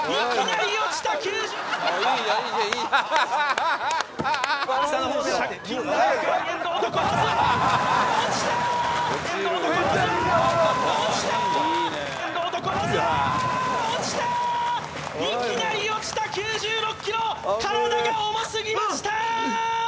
いきなり落ちた９６ｋｇ体が重すぎましたー！